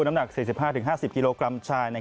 น้ำหนัก๔๕๕๐กิโลกรัมชาย